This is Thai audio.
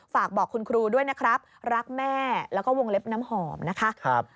ฝากบอกคุณครูด้วยนะครับรักแม่แล้วก็วงเล็บน้ำหอมนะคะ